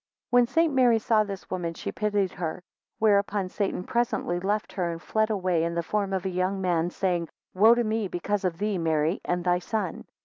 3 When St. Mary saw this woman, she pitied her; where upon Satan presently left her, and fled away in the form of a young man, saying, Wo to me, because of thee, Mary, and thy son.